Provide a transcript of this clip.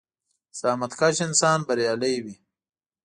• زحمتکش انسان بریالی وي.